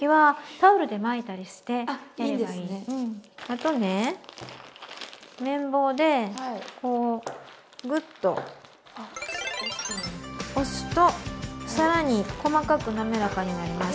あとねめん棒でこうグッと押すと更に細かく滑らかになります。